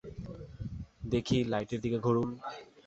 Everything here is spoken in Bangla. দেখি, লাইটের দিকে ঘুরুন।